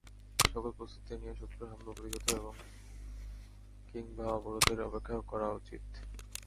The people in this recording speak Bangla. সকল প্রস্তুতি নিয়ে শত্রুর হামলা প্রতিহত কিংবা অবরোধের অপেক্ষা করা উচিত।